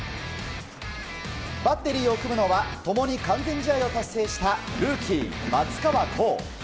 バッテリーを組むのは共に完全試合を達成したルーキー、松川虎生。